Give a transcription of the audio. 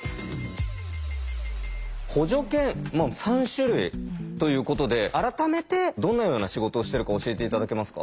補助犬３種類ということで改めてどのような仕事をしてるか教えて頂けますか。